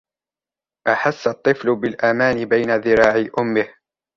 أحس الطفل بالأمان بين ذراعي أمه.